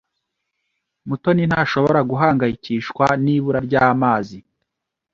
Mutoni ntashobora guhangayikishwa nibura ry’amazi.